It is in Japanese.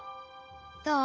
どう？